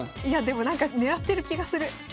いやでもなんか狙ってる気がする。